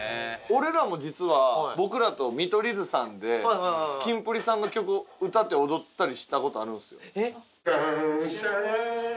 俺らも実は僕らと見取り図さんでキンプリさんの曲を歌って踊ったりした事あるんですよ。